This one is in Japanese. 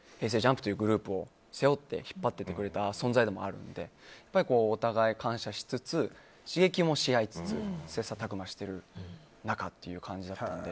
ＪＵＭＰというグループを背負って引っ張っていってくれた存在でもあるのでお互い感謝しつつ刺激もし合いしつつ切磋琢磨している仲という感じなので。